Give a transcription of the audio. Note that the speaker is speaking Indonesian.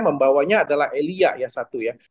membawanya adalah elia ya satu ya